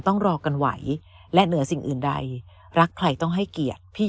ต้องรอกันไหวและเหนือสิ่งอื่นใดรักใครต้องให้เกียรติพี่